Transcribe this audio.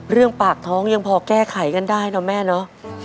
เรื่องปากท้องยังพอแก้ไขกันได้เนอะแม่เนาะ